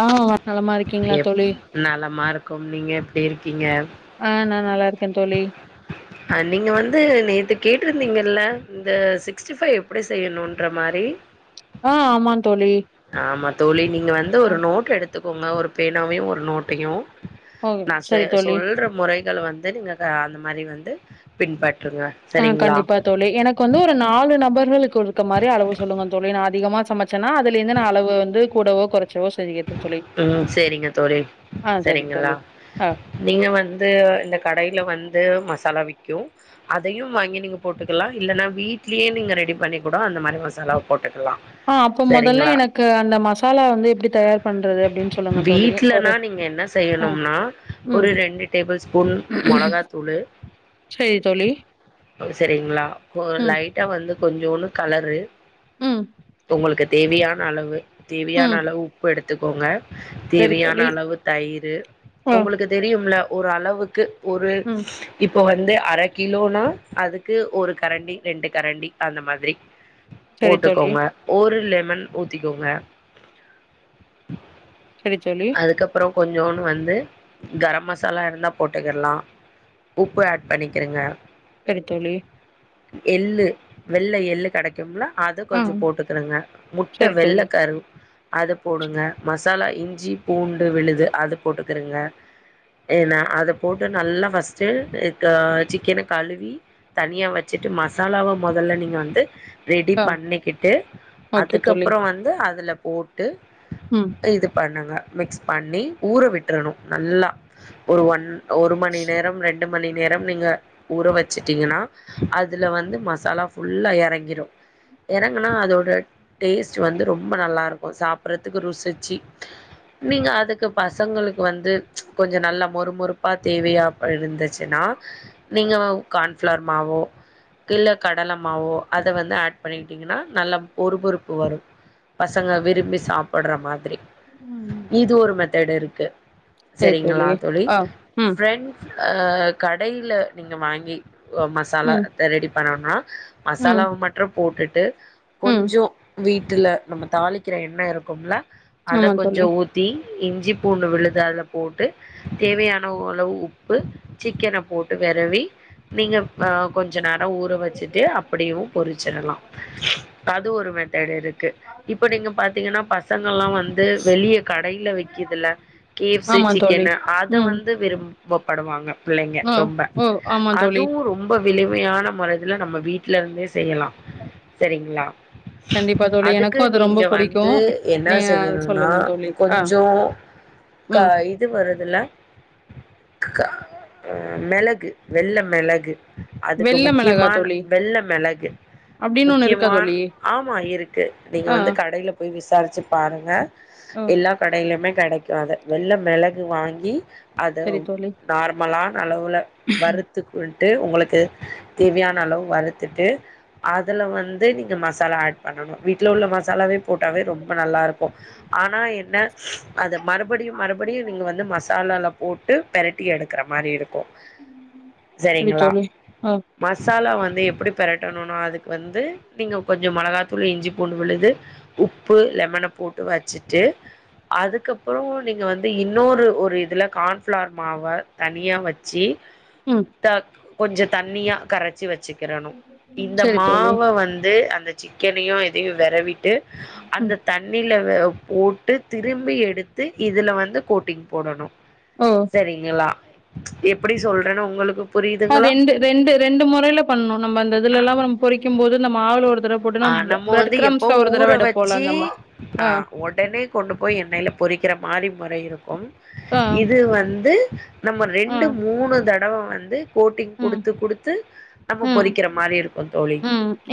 ஆ நலமா இருக்கீங்களா எப் தோழி நலமாருக்கோம் நீங்க எப்டி இருக்கீங்க ஆ நா நல்லா இருக்கே தோழி அ நீங்க வந்து நேத்து கேட்ருந்தீங்கல்ல இந்த சிக்ஸ்ட்டி ஃபைவ் எப்டி செய்யணுன்ற மாரி ஆ ஆமா தோழி ஆமா தோழி நீங்க வந்து ஆ ஒரு நோட் எடுத்துக்கோங்க ஒரு பேனாவையு ஒரு நோட்டயு ஓ நா செ சரி தோழி சொல்ற முறைகள வந்து நீங்க அந்த மாரி வந்து பின்பற்றுங்க ஆ சரிங்களா கண்டிப்பா தோழி எனக்கு வந்து ஒரு நாலு நபர்களுக்கு இருக்க மாரி அளவு சொல்லுங்க தோழி நா அதிகமா சமைச் சமச்சனா அதுல இந்து நா அளவு வந்து கூடவோ கொறச்சவோ செரி கட்ர தோழி ம் சேரிங்க தோழி ஆ சரி சரிங்களா தோழி ஆ நீங்க வந்து இந்த கடையில வந்து மசாலா விக்கு அதையு வாங்கி நீங்க போட்டுக்கலா இல்லன்னா வீட்லயே நீங்க ரெடி பண்ணி கூட அந்த மாரி மசாலாவ போட்டுக்கலா ஆ அப்போ முதல்ல சரிங்களா எனக்கு அந்த மசாலா வந்து எப்டி தயார் பண்றது அப்டின்னு சொல் வீட்லனா நீங்க என்ன செய்யணும்னா ம் ஒரு ரெண்டு டேபிள் ஸ்பூன் மொளகாத்தூளு சேரி தோ செரிங்களா ம் லைட்டா வந்து கொஞ்சோணு கலரு ம் உங்களுக்கு தேவையான அளவு தேவையான ம் அளவு உப்பு எடுத்துக்கோங்க சரி தோழி தேவையான அளவு தயிரு ஆ உங்களுக்கு தெரியும்ல ஒரு அளவுக்கு ஒரு ம் இப்போ வந்து அர கிலோல அதுக்கு ஒரு கரண்டி ரெண்டு கரண்டி அந்த மாதிரி சரி தோழி போட்டுக்கோங்க ஒரு லெமன் ஊத்திக்கோங்க [inaudible] சேரி தோழி அதுக்கப்பறோ கொஞ்சோனு வந்து கரம் மசாலா இருந்தா போட்டுக்கிர்லா உப்பு ஆட் பண்ணிக்கிறுங்க சரி தோழி எள்ளு வெள்ள எள்ளு கடக் அத கொஞ்சோ ஆ போட்டுக்கிறங்க முட்ட சரி வெள்ள தோழி கரு அது போடுங்க மசாலா இஞ்சி பூண்டு விழுது அது போட்டுக்குருங்க ஏன்னா அது போட்டு நல்லா ஃபர்ஸ்ட்டு லைக்கே சிக்கனு கலுவி தனியா வச்சுட்டு மசாலாவ மொதல்ல நீங்க வந்து ரெடி ஆ பண்ணிக்கிட்டு ஓகே தோழி அதுக்கப்புறோ வந்து அதுல போட்டு ம் இது பண்ணுங்க மிக்ஸ் பண்ணி ஊற விட்டுறணு நல்லா ஒரு ஒன் ஒரு மணி நேரம் ரெண்டு மணி நேரம் நீங்க ஊற வச்சிட்டீங்கன்னா அதுல வந்து மசாலா ஃபுல்லா எறங்கிறு எறங்குனா அதோட டேஸ்ட் வந்து ரொம்ப நல்லா இருக்கு சாப்புற்றதுக்கு ருசிச்சி நீங்க அதுக்கு பசங்களுக்கு வந்து கொஞ்ச நல்லா மொறு மொறுப்பா தேவையா இருந்துச்சின்னா நீங்க கான்ஃபிளார் மாவோ இல்ல கடலமாவோ அத வந்து ஆட் பண்ணிட்டீங்கன்னா நல்ல மொறு மொறுப்பு வரு பசங்க விரும்பி சாப்பிட்ற மாதிரி ம். இது ஒரு மெத்தட் இருக்கு சரி சரிங்களா தோழி ஆ ம் ஃபிரண்ட் அஹ் கடைல நீங்க வாங்கி மசாலா ம் த்த ரெடி பண்ணோனா ம் மசாலாவ மட்றும் போட்டுட்டு ம் கொஞ்சோ வீட்ல நம்ம தாளிக்கிற எண்ணெ இருக்கும்ல அத ஆமா கொஞ்சோ தோழி ஊத்தி இஞ்சி பூண்டு விழுது அதுல போட்டு தேவையானளவு உப்பு சிக்கன போட்டு வெரவி நீங்க ஆஹ் கொஞ்ச நேரோ ஊற வச்சுட்டு அப்படியேவு பொறிச்சிடலா அது ஒரு மெத்தட்டு இருக்கு இப்ப நீங்க பாத்தீங்கன்னா பசங்கலா வந்து வெளிய கடைல விக்குதுல கேஎஃப்சி ஆமா தோழி சிக்கனு அத ம் வந்து விரும்பப்படுவாங்க பிள்ளைங்க ஆ ரொம்ப ஓ ஆமா தோழி அதுவு ரொம்ப விளமையான மனதுல நம்ம வீட் வீட்லருந்தே செய்யலா சரிங்களா கண்டிப்பா தோழி எனக்கு அதுக்கு அது ரொம்ப நீங்க புடிக்கு வந்து என்ன நீங்க செய்யணுன்னா சொல்லுங்க தோழி ஆ கொஞ்சோ க ம் இது வருதுல க ஆ மெளகு வெள்ள மிளகு அதுக்கு வெள்ள மிளகா முக்கியமான தோழி வெள்ள மிளகு அப்டின்னு ஒண்ணு இருக்கா முக்கியமா தோழி ஆமா இருக்கு நீங்க ஆ வந்து கடைல போய் விசா சாரிச்சி பாருங்க ஓ எல்லா கடைலயுமே கெடைக்கு அது வெள்ள மிளகு வாங்கி அத சரி தோழி நார்மலான அளவுல வறுத்து டு உங்ளுக்கு தேவையான அளவு வறுத்துட்டு அதுல வந்து நீங்க மசாலா ஆட் பண்ணணு வீட்ல உள்ள மசாலாவே போட்டாவே ரொம்ப நல்லாருக்கு ஆனா என்ன அது மறுபடியு மறுபடியு நீங்க வந்து மசாலால போட்டு பேரட்டி டி எடுக்கற மாரி இருக்கு சரி சரிங்களா தோழி ஆ மசாலா வந்து எப்படி பெரட்டணுனா அதுக்கு வந்து நீங்க கொஞ்சு மொளகாத்தூள் இஞ்சி பூண்டு விழுது உப்பு லெமன போட்டு வெச்சிட்டு அதுக்கப்புறோ நீங்க வந்து இன்னொரு ஒரு இதுல கான்ஃபிளார் மாவ தனியா வெச்சி ம் த கொஞ்சு தண்ணியா கரச்சி வச்சிக்கறணு இந்த சரி தோழி மாவ வந்து அந்த சிக்கனயு இதையு வெரவிட்டு ம் அந்த தண்ணில வே போட்டு திரும்பி எடுத் து இதுல வந்து கோட்டிங் போடணு ஓ சரிங்களா எப்படி சொல்றேன்னு உங்களுக்கு ஆ புரியுதுங்களா ரெண்டு ரெண்டு ரெண்டு முறைல பண்ணணு நம்ம இந்த இதுலல்லா நம்ம பொறிக்கும் போது இந்த மாவள ஒருதடவ ஆ நம்ம வந்து எப்போவு ஊற வச்சி அந்த மா ஆ ஒடனே கொண்டு போய் எண்ணெய்ல பொறிக்கிற மாரி முறை இருக்கு ஆ இது வந்து நம்ம ஆ ரெண்டு மூணு தடவ வந்து கோட்டிங் ம் குடுத்து குடுத்து நம்ம ம் பொறிக்கிற மாரி இருக்கு தோழி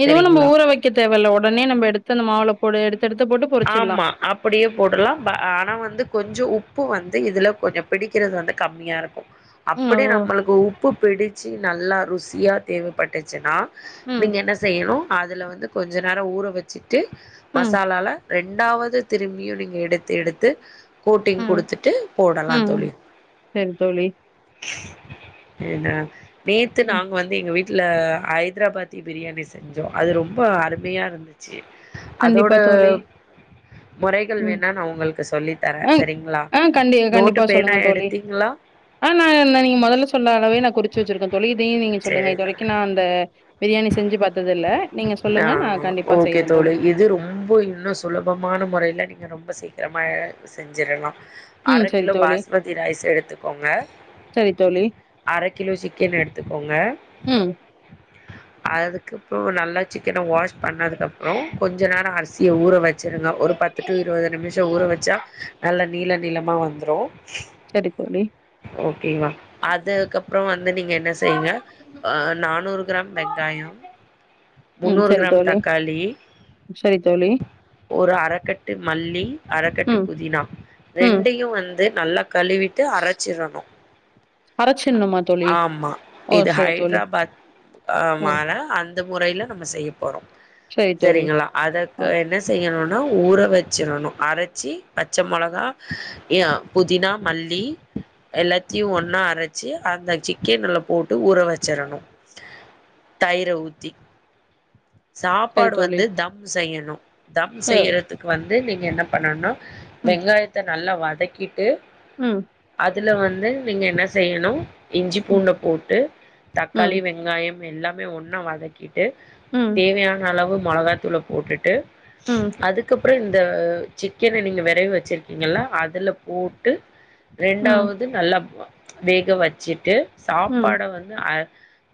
சரிங்களா க்க தேவேல்ல ஒடனே நம்ப எடுத்து அந்த மாவுல போட்டு எடுத்து எடுத்து போட்டு பொரிச்சிருல்லா அப்படியு போடலா ப ஆனா வந்து கொஞ்சு உப்பு வந்து இதுல கொஞ்சு புடிக்கிறது வந்து கம்மியா இருக்கு ம் அப்படி ஓ நம்மளுக்கு உப்பு பிடிச்சு நல்லா ருசியா தேவைப்பட்டுச்சுனா ம் நீங்க என்ன செய்யணு அதுல வந்து கொஞ்சு நேரோ ஊற வச்சுட்டு ம் மசாலால ரெண்டாவது திரும்பியு நீங்க எடுத்து எடுத்து கோட்டிங் ம் குடுத்துட்டு போடலா ம் தோழி சரி தோழி எஏன்ன நேத்து ம். நாங் வந்து எங்க வீட் ட்ல ஹைதராபாதி பிரியாணி செஞ்சோ அது ரொம்ப அருமையா இருந்துச் ச்சி அதோட கண்டிப்பா தோழி முறைகள் ம் வேணா நா உங்குளுக்கு சொல்லி தர ஆ செரிங்ளா ஆ கண்டி நோட்டு கண்டிப்பா பேணா சொல்லுங்க தோழி. எடுத்தீங்ளா ஆ நாந நீங்க மொதல்ல சொன்ன அளவே நா குறிச்சு வச்சிருக்கே தோழி இதயு நீங்க சொல்லுங்க சரி இது வரைக்கு தோழி நா அந்த பிரியாணி செஞ்சு பாத்தது இல்ல நீங்க சொல்லுங்க நா கண்டிப்பா செய்ற தோழி அஜி ரொம்ப இன்னா செ சுலபமான முறையில நீங்க ரொம்ப சீக்கிரமா செஞ்சிறலா அர ம் சரி கிலோ தோழி, பாஸ்மதி ரைஸ் எடுத்துக்கோங்க சரி தோழி. அர கிலோ சிக்கன் எடுத்துக்கோங்க ம் அதுக்குப்றோ நல்லா சிக்கன வாஷ் பண்ணதுக்குகப்புறோ கொஞ்ச நேரோ அரிசிய ஊற வச் வெச்சிருங்க ஒரு பத்து டு இருபது நிமிஷோ ஊற வச்சா நல்ல நீள நீளமா வந்துரு செரி தோழி ஓக்கேங்களா அதுக்கப்றோ வந்து நீங்க என்ன செய்ங்க அ நானூறு கிராம் வெங்காயோ ம் முன்னூறு சரி கிராம் தோழி, தக்காளி சரி தோழி. ஒரு அறக்கட்டு மல்லி அறக்கட்டு ம் புதினா ம் ரெண்டையு வந் து நல்லா கழுவிட்டு அரச்சிரனு அரச்சிர்ணுமா தோழி? ஆம்மா ஓ இது சரி தோழி. ஹைட்ராபாத் ஆ ஓ மால அந்த முறையில நம்ம செய்ய போறோ செரித் தோழி சரிங்களா ஓ அதக்கு என்ன செய்யணுனா ஊற வச்சிடணு அரச்சி பச்ச மொளகா யா புதினா மல்லி எல்லாத்தியு ஒன்னா அர ச்சு அந்த சிக்கேனுல போட்டு ஊற வச்சுறனு தயிர ஊத்தி சரி சாப்பாடு தோழி. வந்து தம் செய்யணு தம் அ செய்றதுக்கு வந்து நீங்க என்ன பண்ணன்னா ம் வெங்காயத்த நல்லா வதகிட்டு ம் அதுல வந்து நீங்க என்ன செய்யணு இஞ்சி ம் பூண்ட போட்டு ம் தக்காளி வெங் காயம் எல்லாமே ஒன்னா வதக்கிட்டு ம் தேவயான அளவு மொளகாத்தூள போட்டுட்டு ம். அதுக் கப்றோ இந்த சிக்கன நீங்க வெரவி வச்சிருக்கீங்களா அதுல போட்டு ம். ரெண்டாவது நல்லா வா வேக வச்சுட்டு ம் சாப்பாட வந் த அ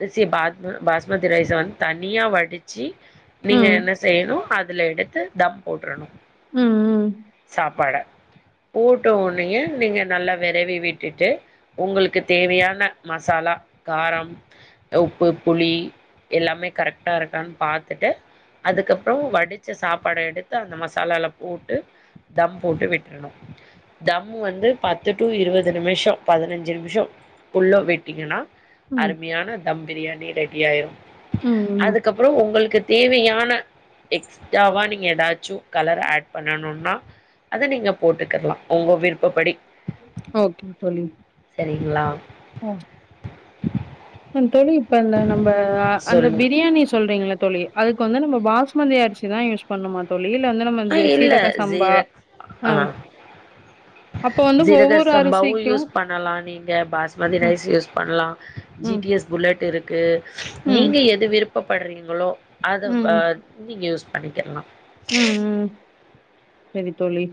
அரிசிய பாத்ம பாஸ்மதி ரைஸ் வந்து தனியா வடிச்சு நீங்க ம் என்ன செய்யணு அதல எடுத்து தம் போட்றணு ம் ம் சாப்பாட போட்ட உனையே நீங்க நல்லா வெரவி விட்டுட்டு உங்கள்க்கு தேவையான மசாலா காரம் உப்பு புளி எல்லாமே கரெக்ட்டா இருக்கான் பாத்துட்டு அதுக்கப்றோ வடிச்ச சாப்பாட எடுத்து அந்த மசாலாலா போட்டு தம் போட்டு விட்ரணு தம் வந்து பத்து டூ இருவது நிமிஷோ பதினஞ்சு நிமிஷோ புல்லா விட்டீங்கனா ம் அருமையான தம் பிரியாணி ரெடியாய்று ம் ம் அதுக்கப்றோ உங்கள்க்கு தேவையான எக்ஸ்ட்ராவா நீங்க எதாச்சு கலர் ஆட் பண்ணணுனா அத நீங்க போட்டுக்கர்லா ஒங்க விருப்பப்படி ஓகே சரிங்ளா ம் ஏன் தோழி இப்ப அந்த நம்ப அ அந்த சொல்லுங்க பிரியாணி சொல்றீங்குள தோழி அதுக்கு வந்து நம்ம பாஸ்மதி அரிசிதா யூஸ் பண்ணுமா தோழி இல்ல வந்து நம்ம ஆ இந்த இல்ல சீரக சம்பா ஜீரக் ஆ அ அப்ப வந்து ஜீரக ஒவ்வொரு சம்பாவு யூஸ் அரிசிக்கும் பண்ணலா நீங்க பாஸ்மதி ம் ரைஸ் யூஸ் பண்லா ஜி ம் டி எஸ் புல்லட் இருக்கு ம் நீங்க எது விருப்பப்பட்றீங்களோ அத வா ம் நீங்க யூஸ் பண்ணிக்கிர்லா ம் ம் சரி தோழி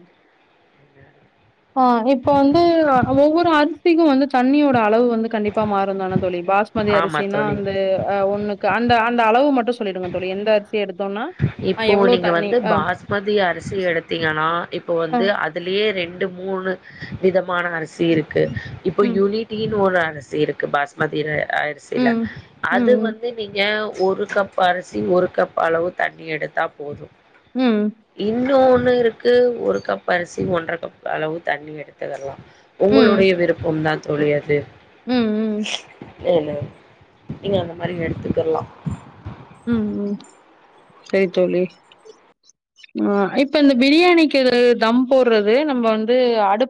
[inaudible] ஆ இப்ப வந்து ஒவ்வொரு அரிசிக்கு வந்து தண்ணியோட அளவு வந்து கண்டிப்பா மாறுந்தான தோழி பாஸ்மதி ஆமா அரிசினா தோழி வந்து அ ஒன்னு க்கு அந்த அந்த அளவு மட்டு சொல்லிடுங்க தோழி எந்த அரிசி எடுத்தோனா இப்போ நீங்க வந்து பாஸ்மதி அரிசி எடுத்தீங்கனா இப்போ வந்து அ துலியே ரெண்டு மூணு விதமான அரிசி இருக்கு இப்ப ம், யுனி டீனு ஒரு அரிசி இருக்கு பாஸ்மதிர அரிசில ம், ம், அது ம், வந்து நீங்க ஒரு கப் அரிசி ஒரு கப் அளவு தண்ணி எடுத்தா போது ம் இன்னு ஒன்னு இருக்கு ஒரு கப் அரிசி ஒன்ற கப் அளவு தண்ணி எடுத்துக்கர்லா ம், உங்களுடைய விருப்பம்தா தோழி அது ம் இல்ல நீங்க அந்த மாரி எடுத்துக்கலா ம் ம் சேரி தோழி அ இப்ப இந்த பிரியாணிக்கு தம் போடுறது நம்ப வந்து அடுப்